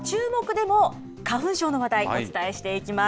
でも花粉症の話題、お伝えしていきます。